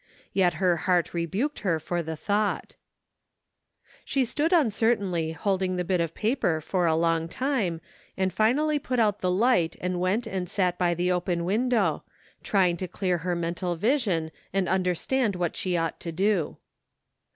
Yet her heart rebuked her for the thought She stood imcertainly holding the bit of paper for a long time and finally put out the light and went and sat by the open window, trying to clear her mental vision and understand .what she ought to do.